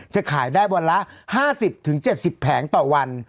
จะขายได้วันละ๕๐๗๐แผงต่อวัน